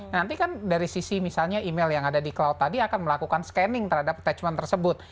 nanti kan dari sisi misalnya email yang ada di cloud tadi akan melakukan scanning terhadap attachment tersebut